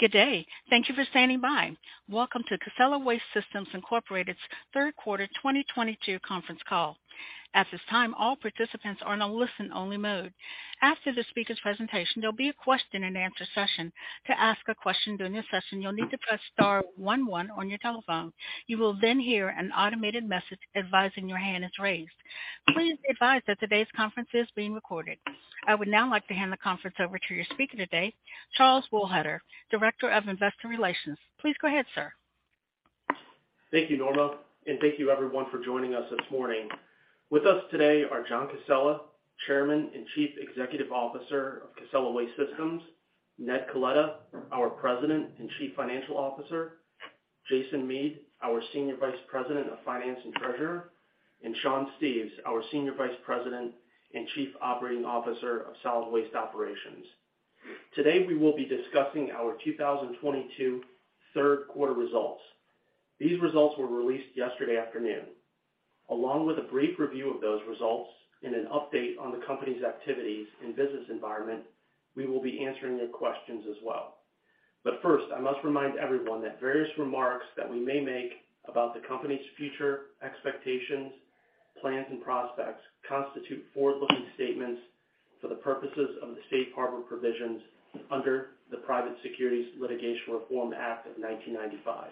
Good day. Thank you for standing by. Welcome to Casella Waste Systems Incorporated's third quarter 2022 conference call. At this time, all participants are in a listen-only mode. After the speaker's presentation, there'll be a question-and-answer session. To ask a question during the session, you'll need to press star one one on your telephone. You will then hear an automated message advising your hand is raised. Please be advised that today's conference is being recorded. I would now like to hand the conference over to your speaker today, Charlie Wohlhuter, Director of Investor Relations. Please go ahead, sir. Thank you, Norma, and thank you everyone for joining us this morning. With us today are John Casella, Chairman and Chief Executive Officer of Casella Waste Systems, Ned Coletta, our President and Chief Financial Officer, Jason Mead, our Senior Vice President of Finance and Treasurer, and Sean Steves, our Senior Vice President and Chief Operating Officer of Solid Waste Operations. Today, we will be discussing our 2022 third quarter results. These results were released yesterday afternoon. Along with a brief review of those results and an update on the company's activities and business environment, we will be answering your questions as well. First, I must remind everyone that various remarks that we may make about the company's future expectations, plans, and prospects constitute forward-looking statements for the purposes of the safe harbor provisions under the Private Securities Litigation Reform Act of 1995.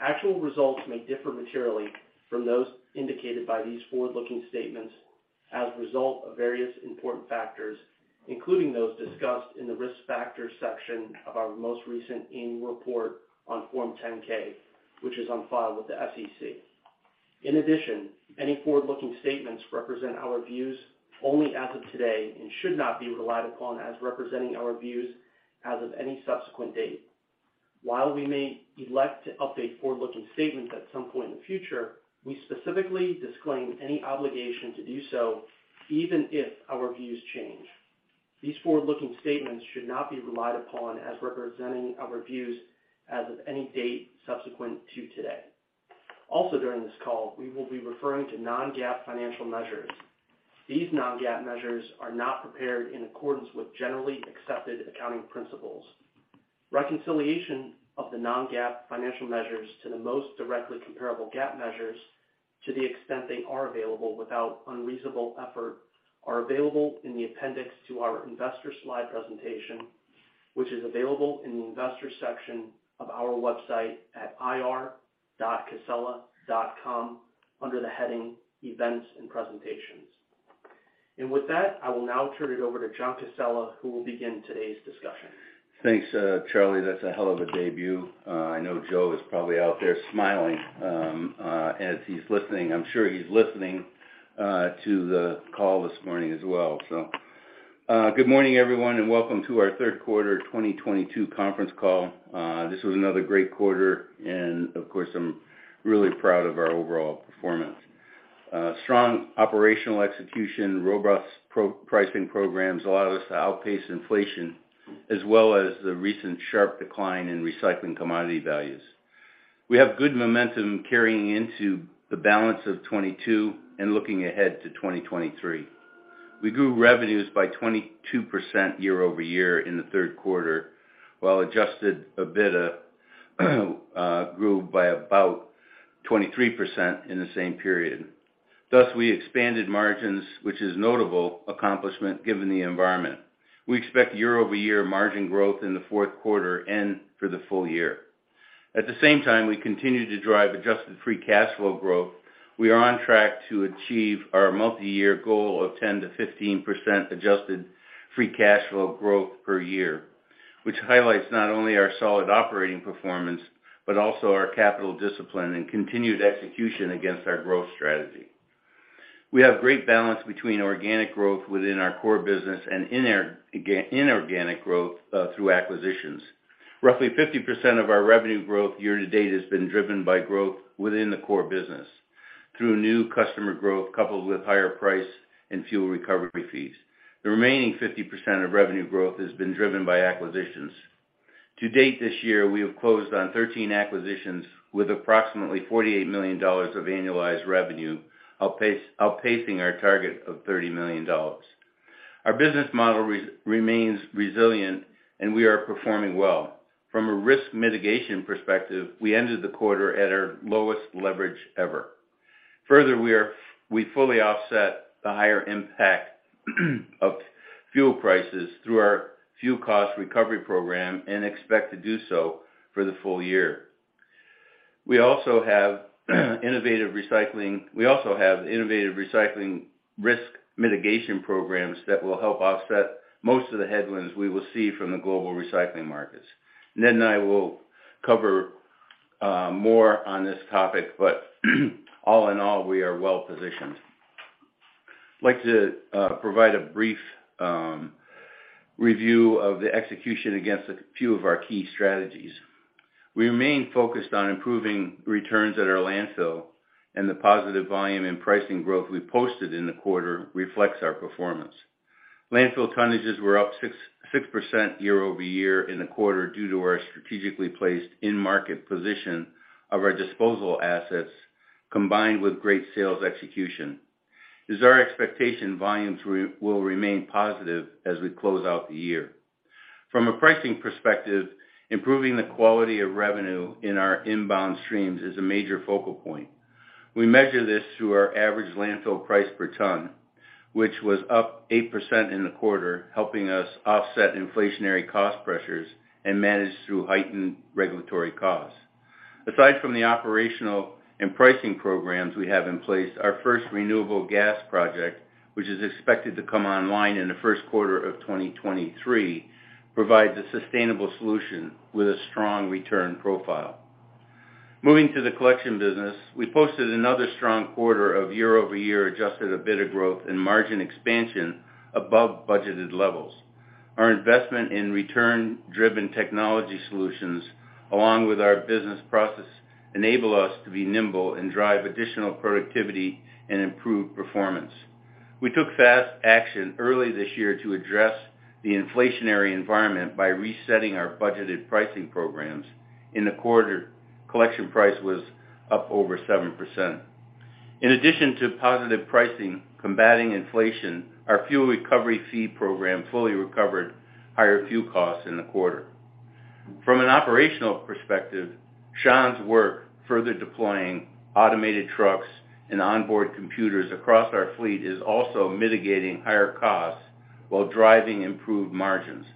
Actual results may differ materially from those indicated by these forward-looking statements as a result of various important factors, including those discussed in the Risk Factors section of our most recent annual report on Form 10-K, which is on file with the SEC. In addition, any forward-looking statements represent our views only as of today and should not be relied upon as representing our views as of any subsequent date. While we may elect to update forward-looking statements at some point in the future, we specifically disclaim any obligation to do so even if our views change. These forward-looking statements should not be relied upon as representing our views as of any date subsequent to today. Also, during this call, we will be referring to Non-GAAP financial measures. These Non-GAAP measures are not prepared in accordance with generally accepted accounting principles. Reconciliation of the Non-GAAP financial measures to the most directly comparable GAAP measures, to the extent they are available without unreasonable effort, are available in the appendix to our investor slide presentation, which is available in the Investors section of our website at ir.casella.com under the heading Events and Presentations. With that, I will now turn it over to John Casella, who will begin today's discussion. Thanks, Charlie. That's a hell of a debut. I know Joe is probably out there smiling, as he's listening. I'm sure he's listening to the call this morning as well. Good morning, everyone, and welcome to our third quarter 2022 conference call. This was another great quarter, and of course, I'm really proud of our overall performance. Strong operational execution, robust pro-pricing programs allowed us to outpace inflation, as well as the recent sharp decline in recycling commodity values. We have good momentum carrying into the balance of 2022 and looking ahead to 2023. We grew revenues by 22% year-over-year in the third quarter, while adjusted EBITDA grew by about 23% in the same period. Thus, we expanded margins, which is a notable accomplishment given the environment. We expect year-over-year margin growth in the fourth quarter and for the full year. At the same time, we continue to drive adjusted free cash flow growth. We are on track to achieve our multi-year goal of 10%-15% adjusted free cash flow growth per year, which highlights not only our solid operating performance, but also our capital discipline and continued execution against our growth strategy. We have great balance between organic growth within our core business and inorganic growth through acquisitions. Roughly 50% of our revenue growth year-to-date has been driven by growth within the core business through new customer growth coupled with higher price and fuel recovery fees. The remaining 50% of revenue growth has been driven by acquisitions. To date this year, we have closed on 13 acquisitions with approximately $48 million of annualized revenue, outpacing our target of $30 million. Our business model remains resilient, and we are performing well. From a risk mitigation perspective, we ended the quarter at our lowest leverage ever. Further, we fully offset the higher impact of fuel prices through our fuel cost recovery program and expect to do so for the full year. We also have innovative recycling risk mitigation programs that will help offset most of the headwinds we will see from the global recycling markets. Ned and I will cover more on this topic, but all in all, we are well-positioned. I'd like to provide a brief review of the execution against a few of our key strategies. We remain focused on improving returns at our landfill, and the positive volume and pricing growth we posted in the quarter reflects our performance. Landfill tonnages were up 6% year-over-year in the quarter due to our strategically placed in-market position of our disposal assets, combined with great sales execution. Our expectation is volumes will remain positive as we close out the year. From a pricing perspective, improving the quality of revenue in our inbound streams is a major focal point. We measure this through our average landfill price per ton, which was up 8% in the quarter, helping us offset inflationary cost pressures and manage through heightened regulatory costs. Aside from the operational and pricing programs we have in place, our first renewable gas project, which is expected to come online in the first quarter of 2023, provides a sustainable solution with a strong return profile. Moving to the collection business, we posted another strong quarter of year-over-year adjusted EBITDA growth and margin expansion above budgeted levels. Our investment in return-driven technology solutions, along with our business process, enable us to be nimble and drive additional productivity and improve performance. We took fast action early this year to address the inflationary environment by resetting our budgeted pricing programs. In the quarter, collection price was up over 7%. In addition to positive pricing combating inflation, our fuel recovery fee program fully recovered higher fuel costs in the quarter. From an operational perspective, Sean's work further deploying automated trucks and onboard computers across our fleet is also mitigating higher costs while driving improved margins.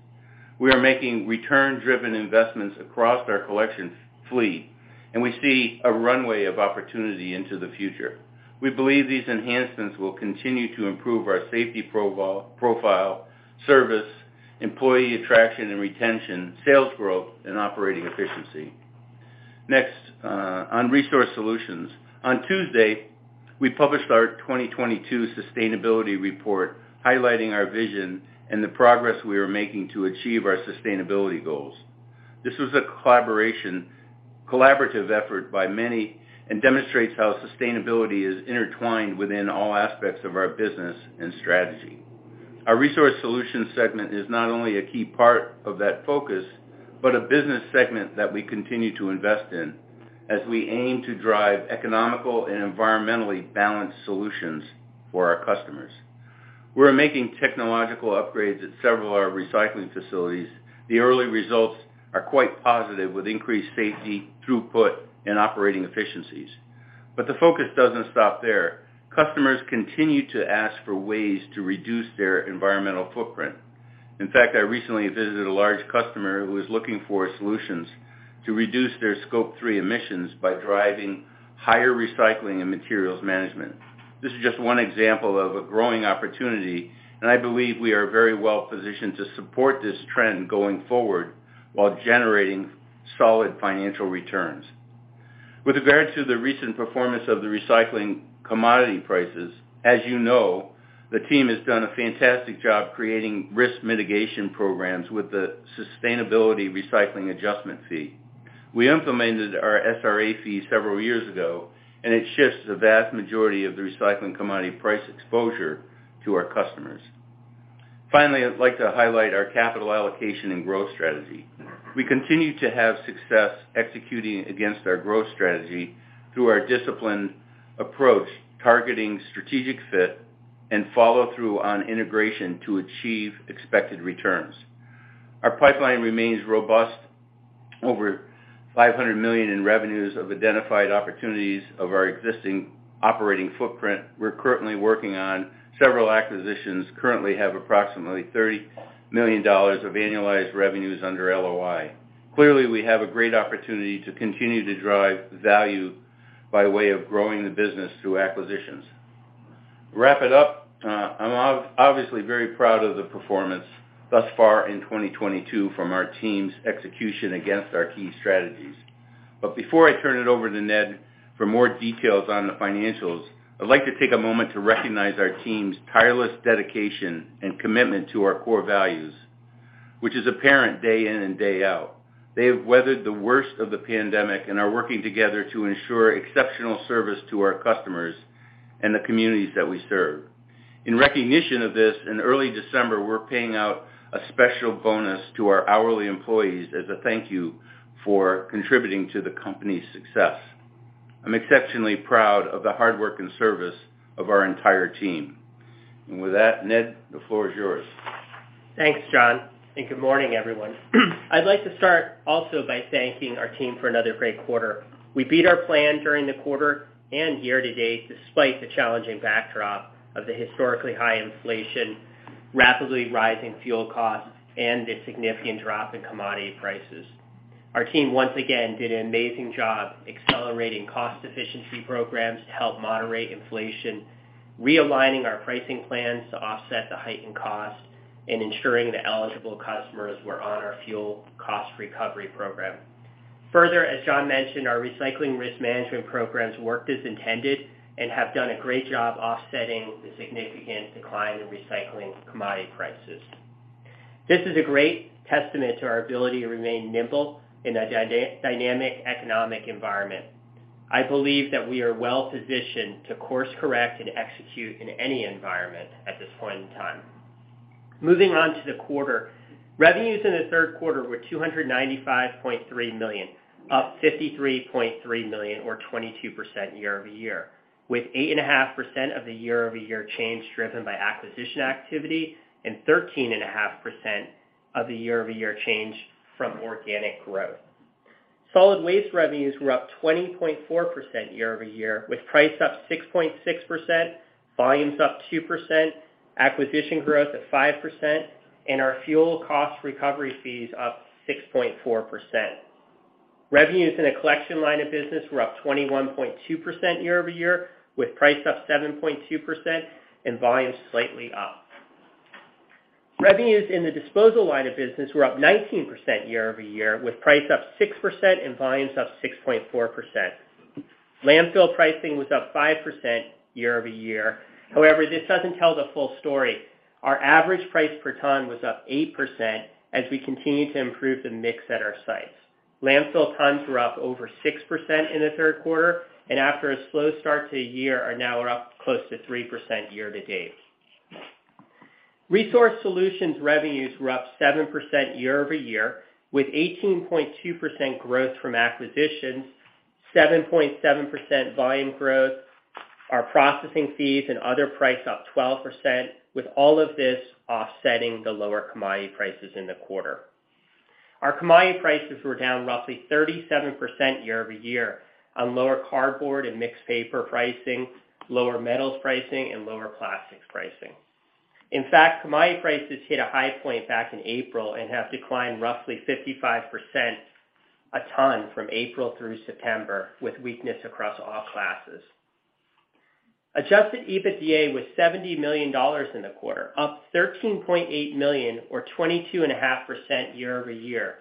We are making return-driven investments across our collection fleet, and we see a runway of opportunity into the future. We believe these enhancements will continue to improve our safety profile, service, employee attraction and retention, sales growth, and operating efficiency. Next, on Resource Solutions. On Tuesday, we published our 2022 sustainability report highlighting our vision and the progress we are making to achieve our sustainability goals. This was a collaborative effort by many and demonstrates how sustainability is intertwined within all aspects of our business and strategy. Our Resource Solutions segment is not only a key part of that focus, but a business segment that we continue to invest in as we aim to drive economical and environmentally balanced solutions for our customers. We're making technological upgrades at several of our recycling facilities. The early results are quite positive, with increased safety, throughput, and operating efficiencies. The focus doesn't stop there. Customers continue to ask for ways to reduce their environmental footprint. In fact, I recently visited a large customer who was looking for solutions to reduce their Scope 3 emissions by driving higher recycling and materials management. This is just one example of a growing opportunity, and I believe we are very well-positioned to support this trend going forward while generating solid financial returns. With regards to the recent performance of the recycling commodity prices, as you know, the team has done a fantastic job creating risk mitigation programs with the sustainability recycling adjustment fee. We implemented our SRA fee several years ago, and it shifts the vast majority of the recycling commodity price exposure to our customers. Finally, I'd like to highlight our capital allocation and growth strategy. We continue to have success executing against our growth strategy through our disciplined approach, targeting strategic fit and follow-through on integration to achieve expected returns. Our pipeline remains robust, over $500 million in revenues of identified opportunities of our existing operating footprint. We're currently working on several acquisitions, currently have approximately $30 million of annualized revenues under LOI. Clearly, we have a great opportunity to continue to drive value by way of growing the business through acquisitions. Wrap it up. I'm obviously very proud of the performance thus far in 2022 from our team's execution against our key strategies. Before I turn it over to Ned for more details on the financials, I'd like to take a moment to recognize our team's tireless dedication and commitment to our core values, which is apparent day in and day out. They have weathered the worst of the pandemic and are working together to ensure exceptional service to our customers and the communities that we serve. In recognition of this, in early December, we're paying out a special bonus to our hourly employees as a thank you for contributing to the company's success. I'm exceptionally proud of the hard work and service of our entire team. With that, Ned, the floor is yours. Thanks, John, and good morning, everyone. I'd like to start also by thanking our team for another great quarter. We beat our plan during the quarter and year-to-date, despite the challenging backdrop of the historically high inflation, rapidly rising fuel costs, and the significant drop in commodity prices. Our team, once again, did an amazing job accelerating cost efficiency programs to help moderate inflation, realigning our pricing plans to offset the heightened costs, and ensuring that eligible customers were on our fuel cost recovery program. Further, as John mentioned, our recycling risk management programs worked as intended and have done a great job offsetting the significant decline in recycling commodity prices. This is a great testament to our ability to remain nimble in a dynamic economic environment. I believe that we are well-positioned to course-correct and execute in any environment at this point in time. Moving on to the quarter. Revenues in the third quarter were $295.3 million, up $53.3 million or 22% year-over-year, with 8.5% of the year-over-year change driven by acquisition activity and 13.5% of the year-over-year change from organic growth. Solid waste revenues were up 20.4% year-over-year, with price up 6.6%, volumes up 2%, acquisition growth of 5%, and our fuel cost recovery fees up 6.4%. Revenues in the collection line of business were up 21.2% year-over-year, with price up 7.2% and volumes slightly up. Revenues in the disposal line of business were up 19% year-over-year, with price up 6% and volumes up 6.4%. Landfill pricing was up 5% year-over-year. However, this doesn't tell the full story. Our average price per ton was up 8% as we continue to improve the mix at our sites. Landfill tons were up over 6% in the third quarter, and after a slow start to the year, are now up close to 3% year-to-date. Resource Solutions revenues were up 7% year-over-year, with 18.2% growth from acquisitions, 7.7% volume growth. Our processing fees and other prices up 12%, with all of this offsetting the lower commodity prices in the quarter. Our commodity prices were down roughly 37% year-over-year on lower cardboard and mixed paper pricing, lower metals pricing, and lower plastics pricing. In fact, commodity prices hit a high point back in April and have declined roughly 55% a ton from April through September, with weakness across all classes. Adjusted EBITDA was $70 million in the quarter, up $13.8 million or 22.5% year-over-year,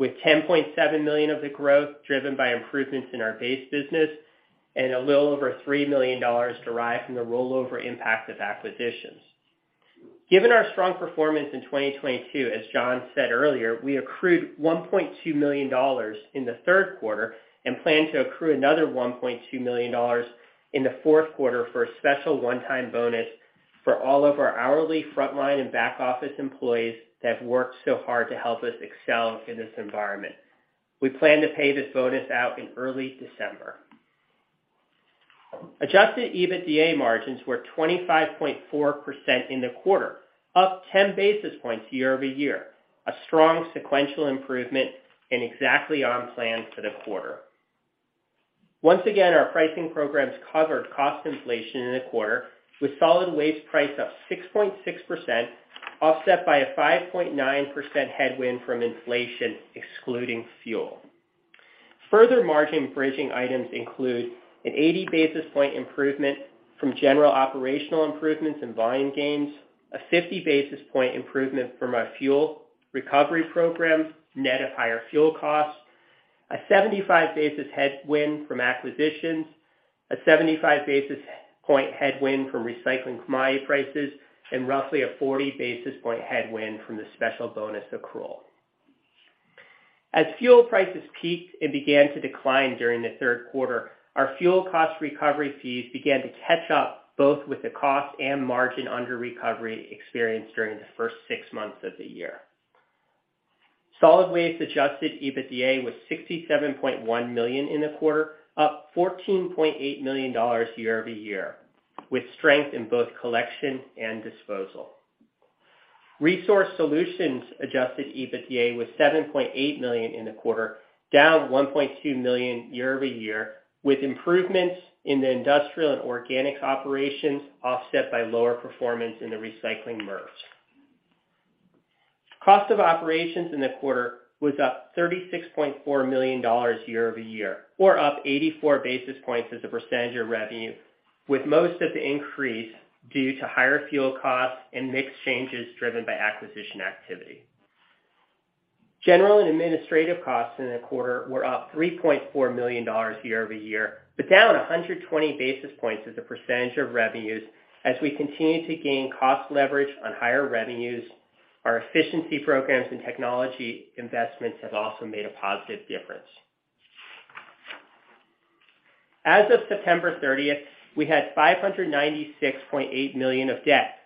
with $10.7 million of the growth driven by improvements in our base business and a little over $3 million derived from the rollover impact of acquisitions. Given our strong performance in 2022, as John said earlier, we accrued $1.2 million in the third quarter and plan to accrue another $1.2 million in the fourth quarter for a special one-time bonus for all of our hourly frontline and back office employees that have worked so hard to help us excel in this environment. We plan to pay this bonus out in early December. Adjusted EBITDA margins were 25.4% in the quarter, up 10 basis points year-over-year, a strong sequential improvement and exactly on plan for the quarter. Once again, our pricing programs covered cost inflation in the quarter with solid waste price up 6.6%, offset by a 5.9% headwind from inflation, excluding fuel. Further margin bridging items include an 80 basis point improvement from general operational improvements and volume gains, a 50 basis point improvement from our fuel recovery program, net of higher fuel costs, a 75 basis point headwind from acquisitions, a 75 basis point headwind from recycling commodity prices, and roughly a 40 basis point headwind from the special bonus accrual. As fuel prices peaked and began to decline during the third quarter, our fuel cost recovery fees began to catch up, both with the cost and margin under recovery experienced during the first six months of the year. Solid waste adjusted EBITDA was $67.1 million in the quarter, up $14.8 million year-over-year, with strength in both collection and disposal. Resource Solutions adjusted EBITDA was $7.8 million in the quarter, down $1.2 million year-over-year, with improvements in the industrial and organics operations offset by lower performance in the recycling margin. Cost of operations in the quarter was up $36.4 million year-over-year, or up 84 basis points as a percentage of revenue, with most of the increase due to higher fuel costs and mix changes driven by acquisition activity. General and administrative costs in the quarter were up $3.4 million year-over-year, but down 120 basis points as a percentage of revenues as we continue to gain cost leverage on higher revenues. Our efficiency programs and technology investments have also made a positive difference. As of September 30th, we had $596.8 million of debt,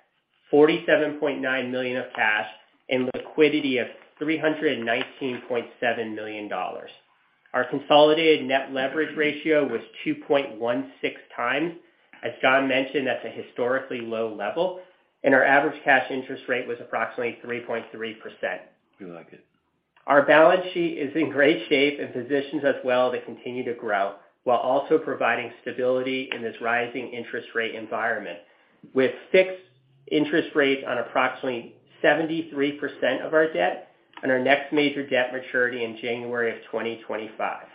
$47.9 million of cash, and liquidity of $319.7 million. Our consolidated net leverage ratio was 2.16 times. As John mentioned, that's a historically low level, and our average cash interest rate was approximately 3.3%. You like it. Our balance sheet is in great shape and positions us well to continue to grow while also providing stability in this rising interest rate environment, with fixed interest rates on approximately 73% of our debt and our next major debt maturity in January of 2025.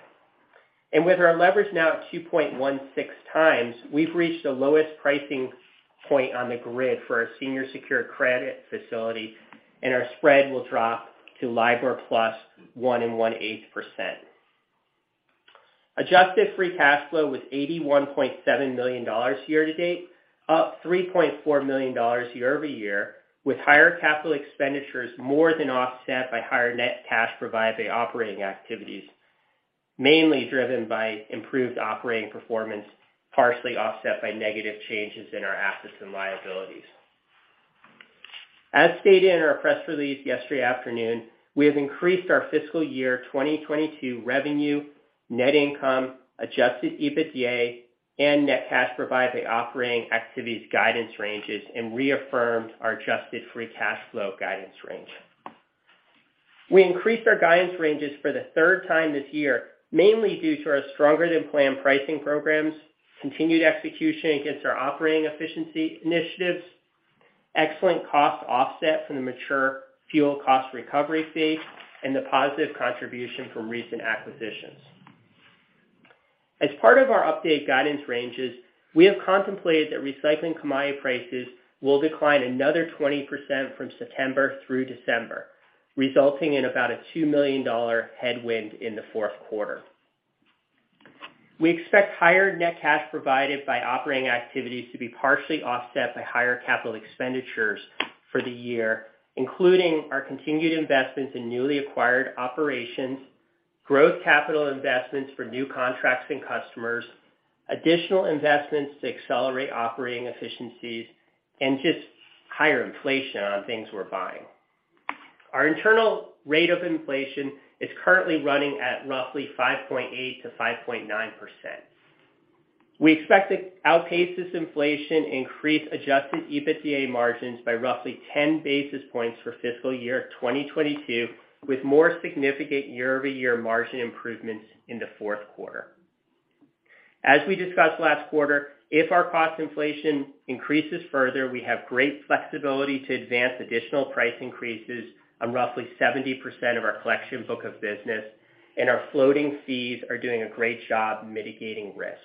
With our leverage now at 2.16x, we've reached the lowest pricing point on the grid for our senior secured credit facility, and our spread will drop to LIBOR plus 1.125%. Adjusted free cash flow was $81.7 million year-to-date, up $3.4 million year-over-year, with higher capital expenditures more than offset by higher net cash provided by operating activities. Mainly driven by improved operating performance, partially offset by negative changes in our assets and liabilities. As stated in our press release yesterday afternoon, we have increased our fiscal year 2022 revenue, net income, adjusted EBITDA, and net cash provided by operating activities guidance ranges and reaffirmed our adjusted free cash flow guidance range. We increased our guidance ranges for the third time this year, mainly due to our stronger than planned pricing programs, continued execution against our operating efficiency initiatives, excellent cost offset from the mature fuel cost recovery fee, and the positive contribution from recent acquisitions. As part of our updated guidance ranges, we have contemplated that recycling commodity prices will decline another 20% from September through December, resulting in about a $2 million headwind in the fourth quarter. We expect higher net cash provided by operating activities to be partially offset by higher capital expenditures for the year, including our continued investments in newly acquired operations, growth capital investments for new contracts and customers, additional investments to accelerate operating efficiencies, and just higher inflation on things we're buying. Our internal rate of inflation is currently running at roughly 5.8%-5.9%. We expect to outpace this inflation, increase adjusted EBITDA margins by roughly 10 basis points for fiscal year 2022, with more significant year-over-year margin improvements in the fourth quarter. As we discussed last quarter, if our cost inflation increases further, we have great flexibility to advance additional price increases on roughly 70% of our collection book of business, and our floating fees are doing a great job mitigating risk.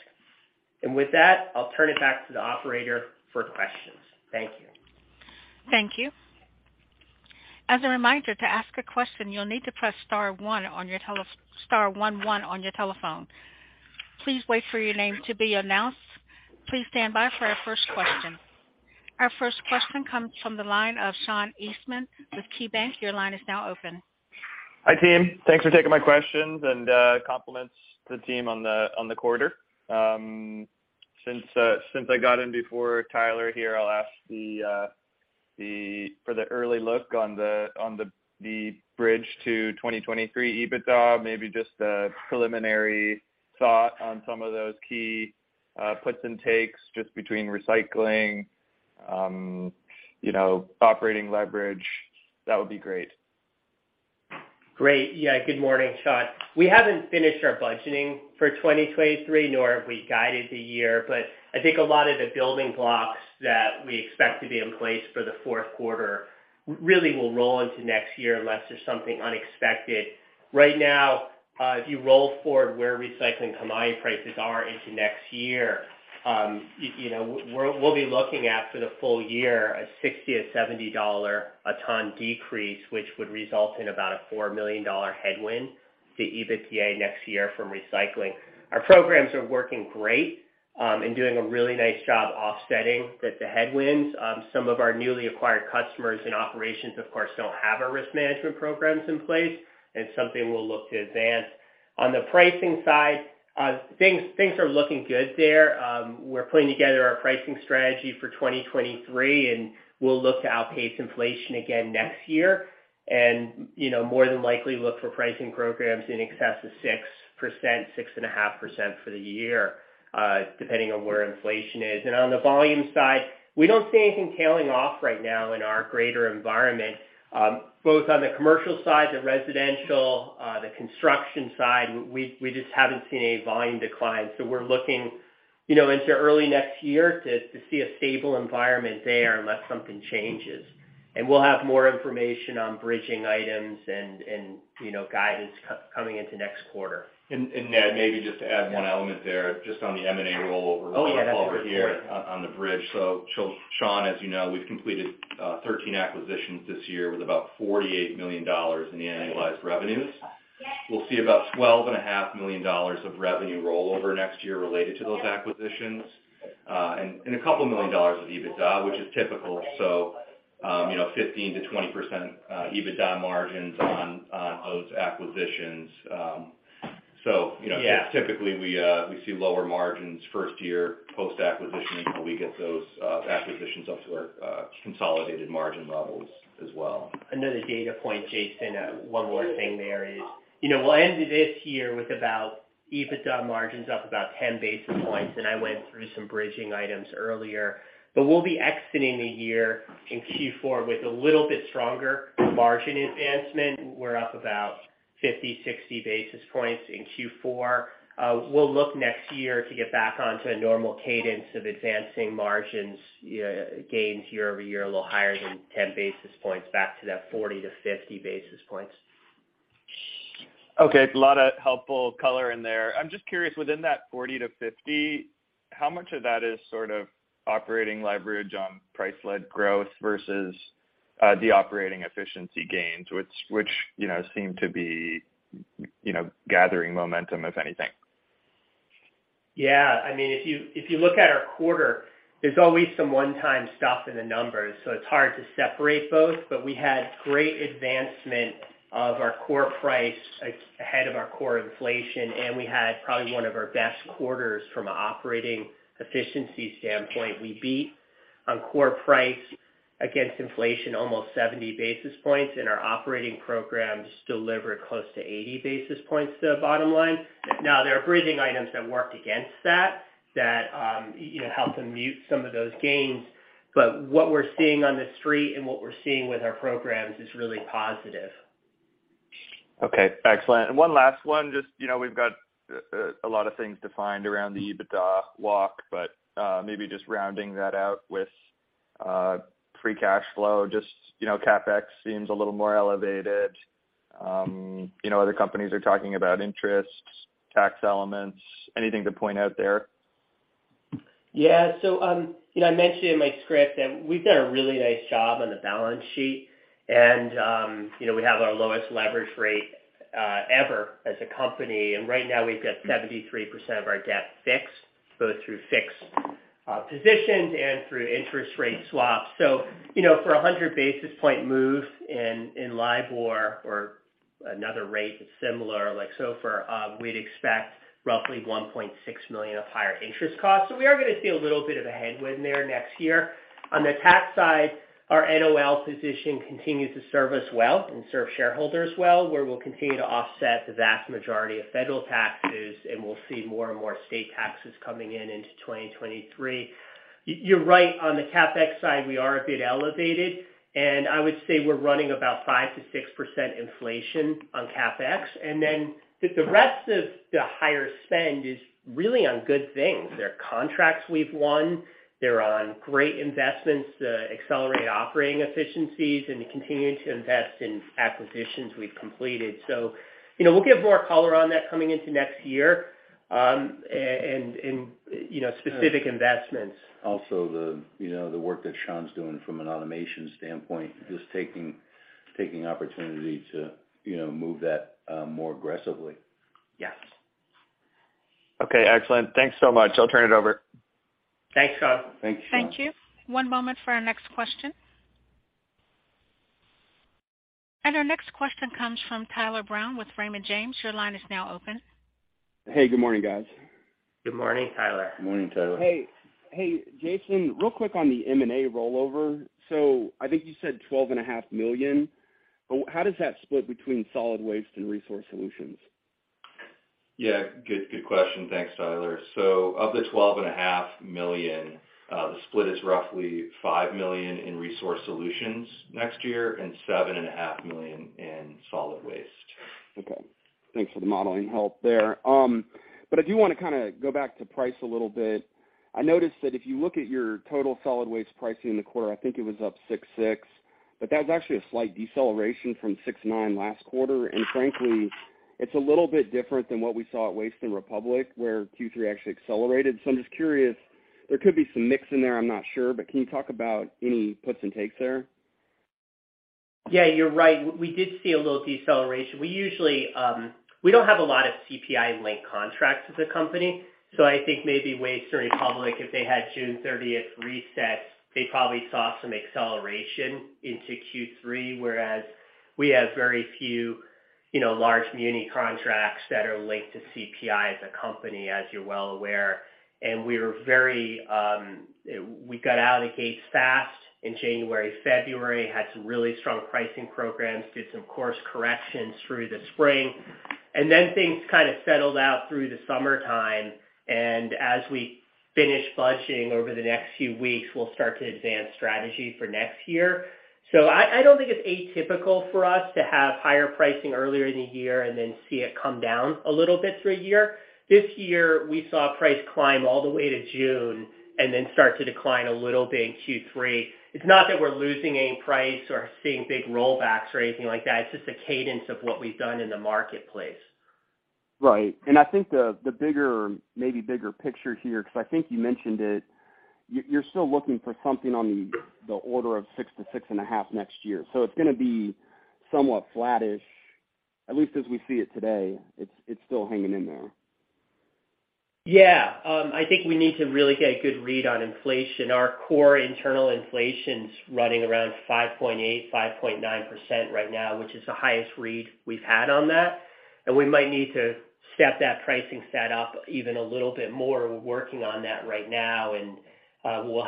With that, I'll turn it back to the operator for questions. Thank you. Thank you. As a reminder, to ask a question, you'll need to press star one on your telephone. Please wait for your name to be announced. Please stand by for our first question. Our first question comes from the line of Sean Eastman with KeyBank. Your line is now open. Hi, team. Thanks for taking my questions and, compliments to the team on the quarter. Since I got in before Tyler here, I'll ask for the early look on the bridge to 2023 EBITDA, maybe just a preliminary thought on some of those key puts and takes just between recycling, you know, operating leverage, that would be great. Great. Yeah, good morning, Sean. We haven't finished our budgeting for 2023, nor have we guided the year, but I think a lot of the building blocks that we expect to be in place for the fourth quarter really will roll into next year unless there's something unexpected. Right now, if you roll forward where recycling commodity prices are into next year, you know, we'll be looking at, for the full year, a $60-$70 a ton decrease, which would result in about a $4 million headwind to EBITDA next year from recycling. Our programs are working great, and doing a really nice job offsetting the headwinds. Some of our newly acquired customers and operations, of course, don't have our risk management programs in place, and something we'll look to advance. On the pricing side, things are looking good there. We're putting together our pricing strategy for 2023, and we'll look to outpace inflation again next year. You know, more than likely look for pricing programs in excess of 6%, 6.5% for the year, depending on where inflation is. On the volume side, we don't see anything tailing off right now in our greater environment, both on the commercial side, the residential, the construction side, we just haven't seen any volume decline. We're looking, you know, into early next year to see a stable environment there unless something changes. We'll have more information on bridging items and, you know, guidance coming into next quarter. Ned, maybe just to add one element there, just on the M&A rollover. Oh, yeah, that's a great point. Sean, as you know, we've completed 13 acquisitions this year with about $48 million in annualized revenues. We'll see about $12.5 million of revenue rollover next year related to those acquisitions, and a couple million dollars of EBITDA, which is typical. You know, 15%-20% EBITDA margins on those acquisitions. You know- Yeah. Typically we see lower margins first year post-acquisition until we get those acquisitions up to our consolidated margin levels as well. Another data point, Jason, one more thing there is, you know, we'll end this year with about EBITDA margins up about 10 basis points, and I went through some bridging items earlier. We'll be exiting the year in Q4 with a little bit stronger margin advancement. We're up about 50-60 basis points in Q4. We'll look next year to get back onto a normal cadence of advancing margins, gains year-over-year, a little higher than 10 basis points, back to that 40-50 basis points. Okay. A lot of helpful color in there. I'm just curious, within that 40-50, how much of that is sort of operating leverage on price-led growth versus, the operating efficiency gains, which you know seem to be, you know, gathering momentum, if anything? Yeah. I mean, if you look at our quarter, there's always some one-time stuff in the numbers, so it's hard to separate both. We had great advancement of our core price ahead of our core inflation, and we had probably one of our best quarters from an operating efficiency standpoint. We beat on core price against inflation almost 70 basis points, and our operating programs delivered close to 80 basis points to the bottom line. Now, there are bridging items that worked against that, you know, helped them mute some of those gains. What we're seeing on the street and what we're seeing with our programs is really positive. Okay, excellent. One last one. Just, you know, we've got a lot of things to find around the EBITDA walk, but maybe just rounding that out with free cash flow. Just, you know, CapEx seems a little more elevated. You know, other companies are talking about interest, tax elements. Anything to point out there? Yeah. You know, I mentioned in my script that we've done a really nice job on the balance sheet and, you know, we have our lowest leverage rate ever as a company. Right now we've got 73% of our debt fixed, both through fixed positions and through interest rate swaps. You know, for a 100 basis point move in LIBOR or another rate that's similar, like SOFR, we'd expect roughly $1.6 million of higher interest costs. We are gonna see a little bit of a headwind there next year. On the tax side, our NOL position continues to serve us well and serve shareholders well, where we'll continue to offset the vast majority of federal taxes, and we'll see more and more state taxes coming in into 2023. You're right, on the CapEx side we are a bit elevated, and I would say we're running about 5%-6% inflation on CapEx. The rest of the higher spend is really on good things. They're contracts we've won, they're on great investments to accelerate operating efficiencies and to continue to invest in acquisitions we've completed. You know, we'll give more color on that coming into next year, and you know, specific investments. Also, you know, the work that Sean's doing from an automation standpoint, just taking opportunity to, you know, move that more aggressively. Yes. Okay, excellent. Thanks so much. I'll turn it over. Thanks, Sean. Thanks, Sean. Thank you. One moment for our next question. Our next question comes from Tyler Brown with Raymond James. Your line is now open. Hey, good morning, guys. Good morning, Tyler. Morning, Tyler. Hey. Hey, Jason, real quick on the M&A rollover. I think you said $12.5 million. How does that split between solid waste and resource solutions? Yeah, good question. Thanks, Tyler. Of the $12.5 million, the split is roughly $5 million in resource solutions next year and $7.5 million in solid waste. Okay. Thanks for the modeling help there. But I do wanna kinda go back to price a little bit. I noticed that if you look at your total solid waste pricing in the quarter, I think it was up 6.6%, but that was actually a slight deceleration from 6.9% last quarter. Frankly, it's a little bit different than what we saw at Waste Management and Republic Services, where Q3 actually accelerated. I'm just curious, there could be some mix in there, I'm not sure, but can you talk about any puts and takes there? Yeah, you're right. We did see a little deceleration. We usually don't have a lot of CPI-linked contracts as a company, so I think maybe Waste and Republic, if they had June thirtieth resets, they probably saw some acceleration into Q3, whereas we have very few, you know, large muni contracts that are linked to CPI as a company, as you're well aware. We got out of the gates fast in January, February, had some really strong pricing programs, did some course corrections through the spring, and then things kinda settled out through the summertime. As we finish budgeting over the next few weeks, we'll start to advance strategy for next year. I don't think it's atypical for us to have higher pricing earlier in the year and then see it come down a little bit through the year. This year, we saw price climb all the way to June and then start to decline a little bit in Q3. It's not that we're losing any price or seeing big rollbacks or anything like that, it's just the cadence of what we've done in the marketplace. Right. I think the bigger, maybe bigger picture here, 'cause I think you mentioned it, you're still looking for something on the order of 6-6.5 next year. It's gonna be somewhat flattish, at least as we see it today. It's still hanging in there. Yeah. I think we need to really get a good read on inflation. Our core internal inflation's running around 5.8-5.9% right now, which is the highest read we've had on that, and we might need to step that pricing up even a little bit more. We're working on that right now, and we'll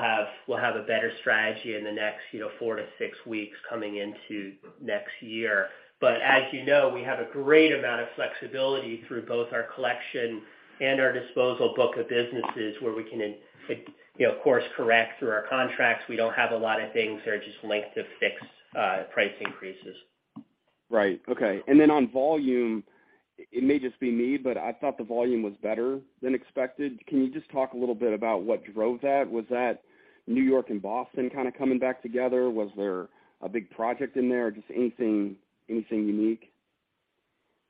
have a better strategy in the next, you know, 4-6 weeks coming into next year. As you know, we have a great amount of flexibility through both our collection and our disposal book of business where we can, you know, course correct through our contracts. We don't have a lot of things that are just linked to fixed price increases. Right. Okay. On volume, it may just be me, but I thought the volume was better than expected. Can you just talk a little bit about what drove that? Was that New York and Boston kinda coming back together? Was there a big project in there? Just anything unique?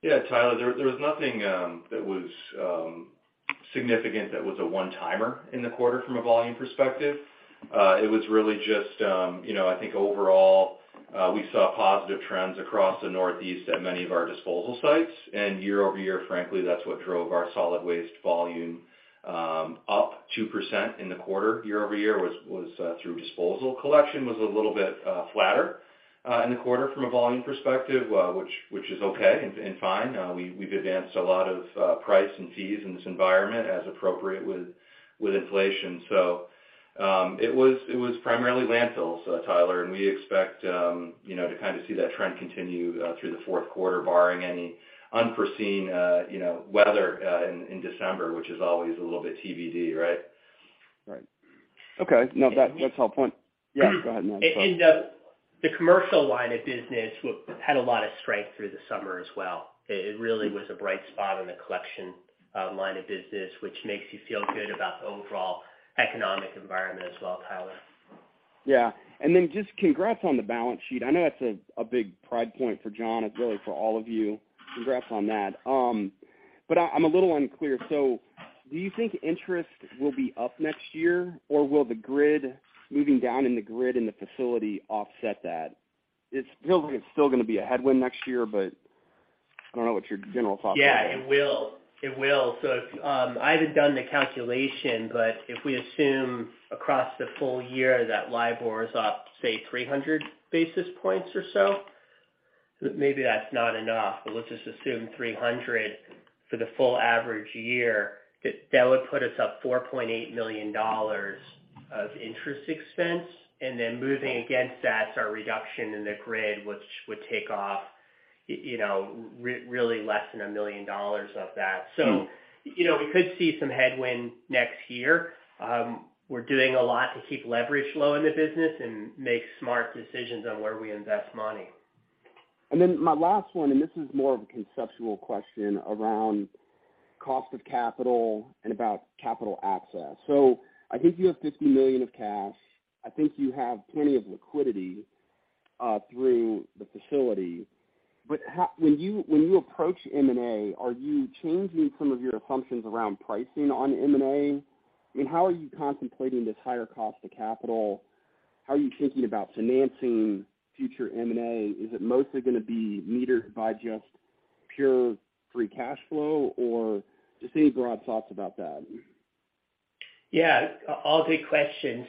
Yeah, Tyler, there was nothing that was significant that we- The one-timer in the quarter from a volume perspective. It was really just, you know, I think overall, we saw positive trends across the Northeast at many of our disposal sites. Year-over-year, frankly, that's what drove our solid waste volume up 2% in the quarter. Year-over-year was through disposal. Collection was a little bit flatter in the quarter from a volume perspective, which is okay and fine. We've advanced a lot of price and fees in this environment as appropriate with inflation. It was primarily landfills, Tyler, and we expect, you know, to kind of see that trend continue through the fourth quarter, barring any unforeseen, you know, weather in December, which is always a little bit TBD, right? Right. Okay. No. That's a good point. Yeah, go ahead, Ned Coletta, sorry. The commercial line of business had a lot of strength through the summer as well. It really was a bright spot in the collection line of business, which makes you feel good about the overall economic environment as well, Tyler. Yeah. Just congrats on the balance sheet. I know that's a big pride point for John, and really for all of you. Congrats on that. I'm a little unclear. Do you think interest will be up next year, or will the rate moving down in the facility offset that? It feels like it's still gonna be a headwind next year, but I don't know what your general thoughts are there. Yeah, it will. If I haven't done the calculation, but if we assume across the full year that LIBOR is up, say, 300 basis points or so, maybe that's not enough, but let's just assume 300 for the full average year, that would put us up $4.8 million of interest expense. Then moving against that, our reduction in the grid, which would take off, you know, really less than $1 million of that. You know, we could see some headwind next year. We're doing a lot to keep leverage low in the business and make smart decisions on where we invest money. My last one, and this is more of a conceptual question around cost of capital and about capital access. I think you have $50 million of cash. I think you have plenty of liquidity through the facility. When you approach M&A, are you changing some of your assumptions around pricing on M&A? I mean, how are you contemplating this higher cost of capital? How are you thinking about financing future M&A? Is it mostly gonna be metered by just pure free cash flow or just any broad thoughts about that? Yeah, all good questions.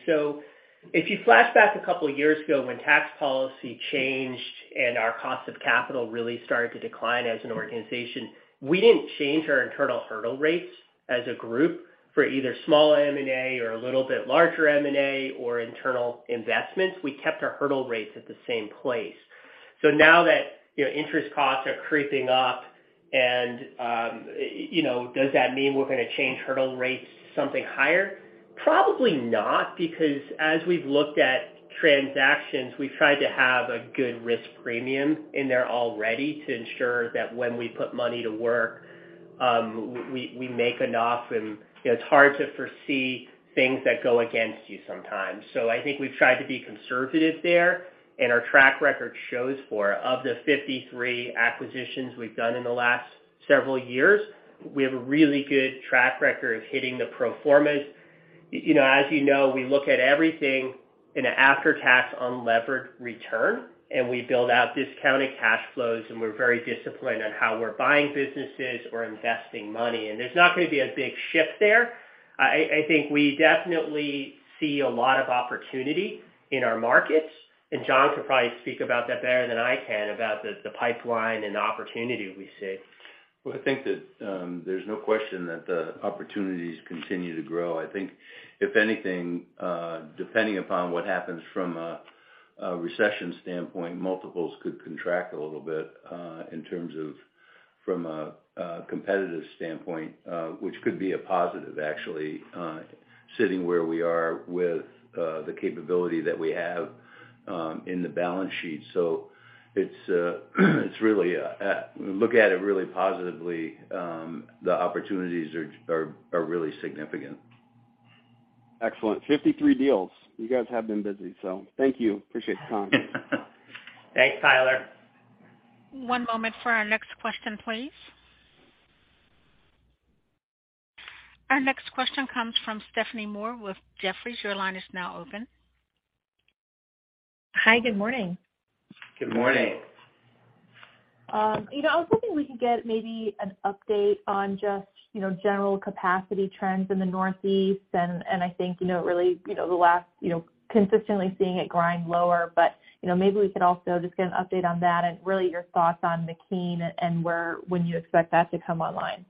If you flash back a couple years ago when tax policy changed and our cost of capital really started to decline as an organization, we didn't change our internal hurdle rates as a group for either small M&A or a little bit larger M&A or internal investments. We kept our hurdle rates at the same place. Now that, you know, interest costs are creeping up and, you know, does that mean we're gonna change hurdle rates something higher? Probably not, because as we've looked at transactions, we've tried to have a good risk premium in there already to ensure that when we put money to work, we make enough. You know, it's hard to foresee things that go against you sometimes. I think we've tried to be conservative there, and our track record shows for. Of the 53 acquisitions we've done in the last several years, we have a really good track record of hitting the pro forma. You know, as you know, we look at everything in an after-tax, unlevered return, and we build out discounted cash flows, and we're very disciplined on how we're buying businesses or investing money. There's not gonna be a big shift there. I think we definitely see a lot of opportunity in our markets, and John could probably speak about that better than I can about the pipeline and the opportunity we see. Well, I think that there's no question that the opportunities continue to grow. I think if anything, depending upon what happens from a recession standpoint, multiples could contract a little bit in terms of from a competitive standpoint, which could be a positive actually, sitting where we are with the capability that we have in the balance sheet. It's really. We look at it really positively. The opportunities are really significant. Excellent. 53 deals. You guys have been busy. Thank you. Appreciate the time. Thanks, Tyler. One moment for our next question, please. Our next question comes from Stephanie Moore with Jefferies. Your line is now open. Hi. Good morning. Good morning. You know, I was hoping we could get maybe an update on just, you know, general capacity trends in the Northeast and I think, you know, really, you know, the last, you know, consistently seeing it grind lower. But, you know, maybe we could also just get an update on that and really your thoughts on McKean and where, when you expect that to come online.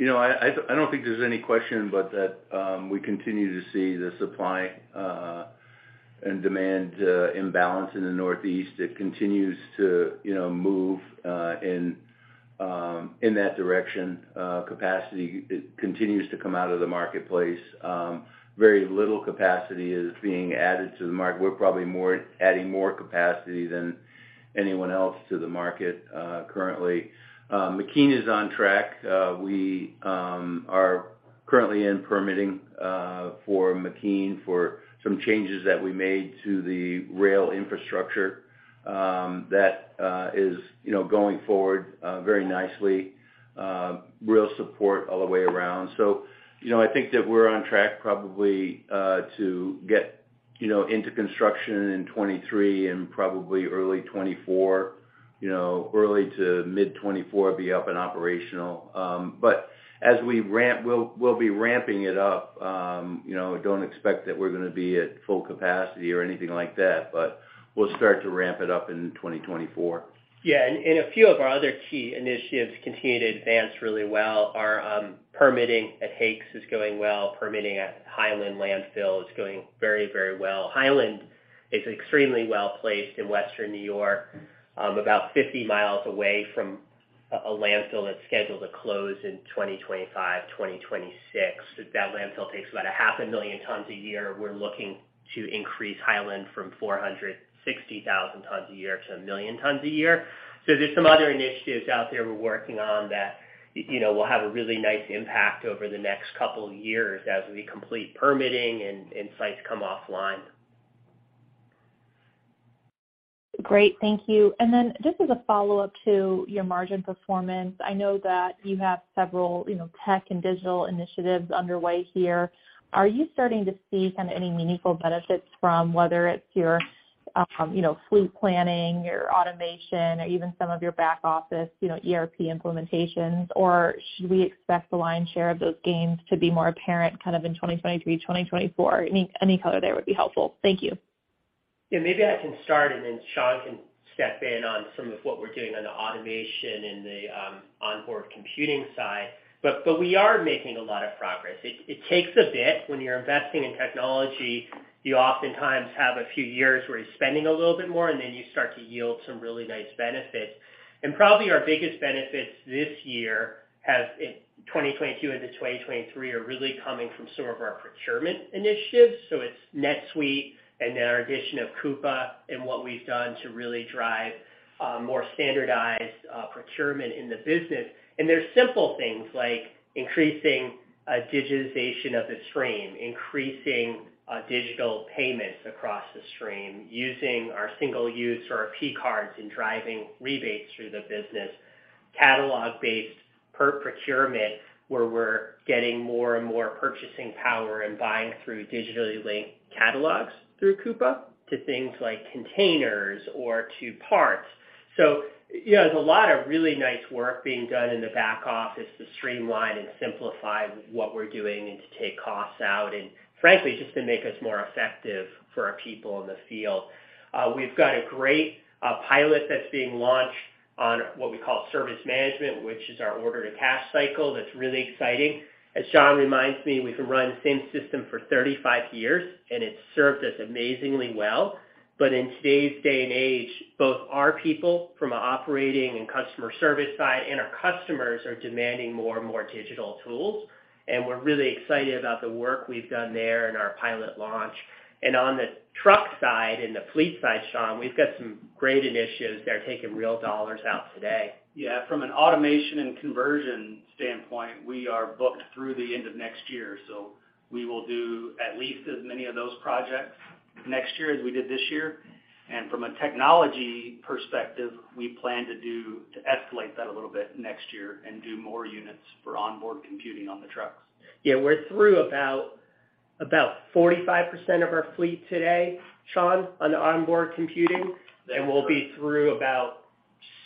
You know, I don't think there's any question but that we continue to see the supply and demand imbalance in the Northeast. It continues to, you know, move in that direction. Capacity continues to come out of the marketplace. Very little capacity is being added to the market. We're probably adding more capacity than anyone else to the market, currently. McKean is on track. We are currently in permitting for McKean for some changes that we made to the rail infrastructure. That is going forward very nicely. Real support all the way around. You know, I think that we're on track probably to get into construction in 2023 and probably early 2024. You know, early to mid-2024 be up and operational. But as we ramp, we'll be ramping it up. You know, don't expect that we're gonna be at full capacity or anything like that, but we'll start to ramp it up in 2024. Yeah. A few of our other key initiatives continue to advance really well. Our permitting at Hicks is going well. Permitting at Highland Landfill is going very well. Highland is extremely well-placed in Western New York, about 50 miles away from a landfill that's scheduled to close in 2025, 2026. That landfill takes about 500,000 tons a year. We're looking to increase Highland from 460,000 tons a year to 1,000,000 tons a year. There's some other initiatives out there we're working on that, you know, will have a really nice impact over the next couple years as we complete permitting and sites come offline. Great. Thank you. Just as a follow-up to your margin performance, I know that you have several, you know, tech and digital initiatives underway here. Are you starting to see kind of any meaningful benefits from whether it's your, you know, fleet planning, your automation, or even some of your back office, you know, ERP implementations, or should we expect the lion's share of those gains to be more apparent kind of in 2023, 2024? Any color there would be helpful. Thank you. Yeah, maybe I can start, and then Sean can step in on some of what we're doing on the automation and the onboard computing side, but we are making a lot of progress. It takes a bit. When you're investing in technology, you oftentimes have a few years where you're spending a little bit more, and then you start to yield some really nice benefits. Probably our biggest benefits this year has in 2022 into 2023 are really coming from some of our procurement initiatives, so it's NetSuite and then our addition of Coupa and what we've done to really drive more standardized procurement in the business. They're simple things like increasing digitization of the stream, increasing digital payments across the stream, using our single-use or our P-cards in driving rebates through the business, catalog-based paper procurement, where we're getting more and more purchasing power and buying through digitally linked catalogs through Coupa to things like containers or to parts. You know, there's a lot of really nice work being done in the back office to streamline and simplify what we're doing and to take costs out, and frankly, just to make us more effective for our people in the field. We've got a great pilot that's being launched on what we call service management, which is our order-to-cash cycle that's really exciting. As Sean reminds me, we've run the same system for 35 years, and it's served us amazingly well. In today's day and age, both our people from operating and customer service side and our customers are demanding more and more digital tools, and we're really excited about the work we've done there in our pilot launch. On the truck side and the fleet side, Sean, we've got some great initiatives that are taking real dollars out today. Yeah. From an automation and conversion standpoint, we are booked through the end of next year, so we will do at least as many of those projects next year as we did this year. From a technology perspective, we plan to escalate that a little bit next year and do more units for onboard computing on the trucks. Yeah. We're through about 45% of our fleet today, Sean, on the onboard computing- That's right. We'll be through about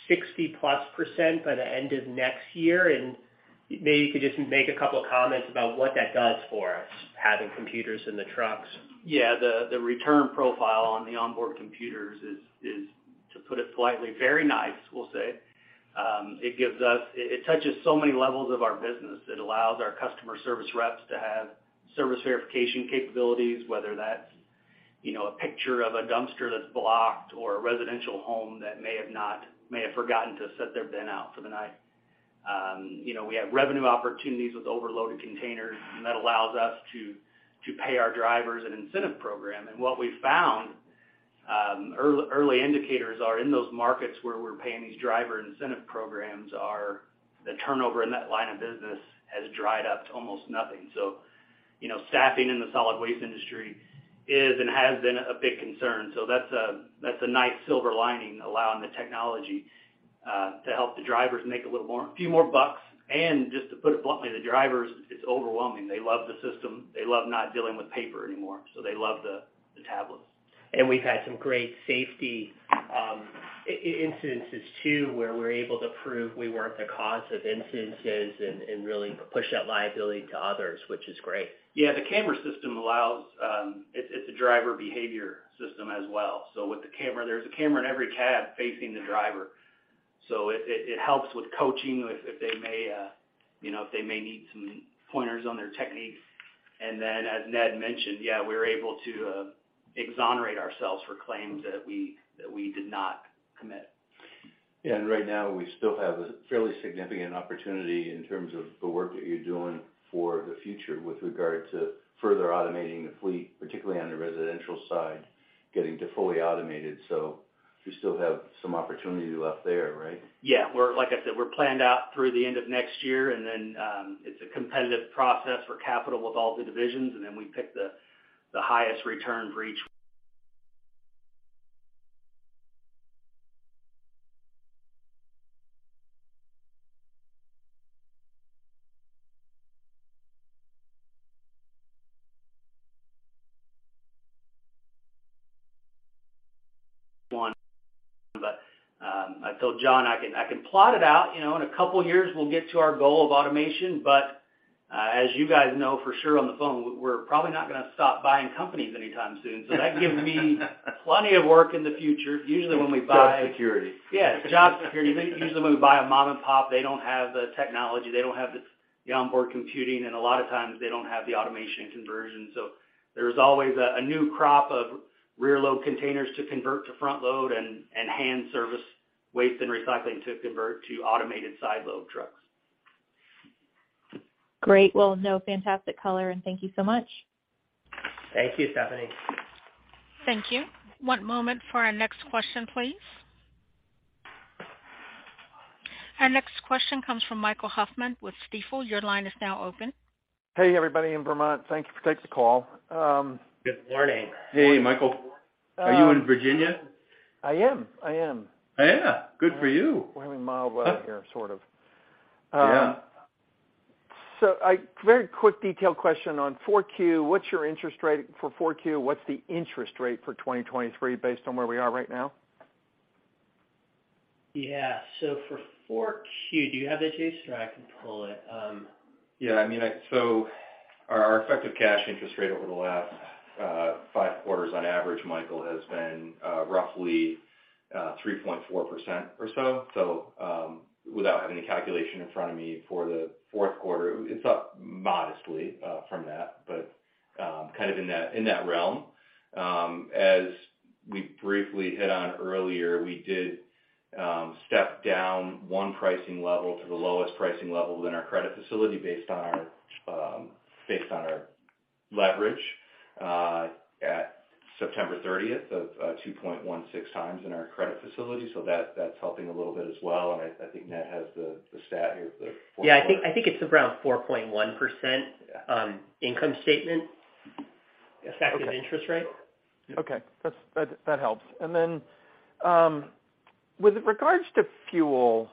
60%+ by the end of next year. Maybe you could just make a couple comments about what that does for us, having computers in the trucks. Yeah. The return profile on the onboard computers is, to put it politely, very nice, we'll say. It gives us. It touches so many levels of our business. It allows our customer service reps to have service verification capabilities, whether that's, you know, a picture of a dumpster that's blocked or a residential home that may have forgotten to set their bin out for the night. You know, we have revenue opportunities with overloaded containers, and that allows us to pay our drivers an incentive program. What we found, early indicators are in those markets where we're paying these driver incentive programs are the turnover in that line of business has dried up to almost nothing. You know, staffing in the solid waste industry is, and has been, a big concern. That's a nice silver lining, allowing the technology to help the drivers make a little more, few more bucks. Just to put it bluntly, the drivers, it's overwhelming. They love the system. They love not dealing with paper anymore, so they love the tablets. We've had some great safety incidents too where we're able to prove we weren't the cause of incidents and really push that liability to others, which is great. Yeah. The camera system allows. It's a driver behavior system as well. With the camera, there's a camera in every cab facing the driver. It helps with coaching if they may, you know, need some pointers on their techniques. Then as Ned mentioned, yeah, we're able to exonerate ourselves for claims that we did not commit. Yeah. Right now we still have a fairly significant opportunity in terms of the work that you're doing for the future with regard to further automating the fleet, particularly on the residential side, getting to fully automated. You still have some opportunity left there, right? Yeah. Like I said, we're planned out through the end of next year, and then, it's a competitive process for capital with all the divisions, and then we pick the highest return for each One I told John I can plot it out, you know, in a couple of years we'll get to our goal of automation. As you guys know for sure on the phone, we're probably not gonna stop buying companies anytime soon. That gives me plenty of work in the future. Usually, when we buy It's job security. Yes, job security. Usually, when we buy a mom and pop, they don't have the technology, they don't have the onboard computing, and a lot of times they don't have the automation conversion. There's always a new crop of rear load containers to convert to front load and hand service waste and recycling to convert to automated side load trucks. Great. Well, no, fantastic color, and thank you so much. Thank you, Stephanie. Thank you. One moment for our next question, please. Our next question comes from Michael Hoffman with Stifel. Your line is now open. Hey, everybody in Vermont. Thank you for taking the call. Good morning. Hey, Michael. Are you in Virginia? I am. Oh yeah. Good for you. We're having mild weather here, sort of. Yeah. Very quick detailed question on 4Q. What's your interest rate for 4Q? What's the interest rate for 2023 based on where we are right now? Yeah. For Q4, do you have that, Jason, or I can pull it? I mean, our effective cash interest rate over the last five quarters on average, Michael, has been roughly 3.4% or so. Without having a calculation in front of me for the fourth quarter, it's up modestly from that, but kind of in that realm. As we briefly hit on earlier, we did step down one pricing level to the lowest pricing level within our credit facility based on our leverage at September thirtieth of 2.16x in our credit facility. That's helping a little bit as well. I think Ned has the stat here for Yeah, I think it's around 4.1%, income statement effective interest rate. Okay. That helps. With regards to fuel,